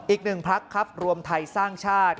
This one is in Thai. อีกหนึ่งพักครับรวมไทยสร้างชาติ